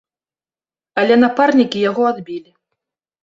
Але напарнікі яго адбілі.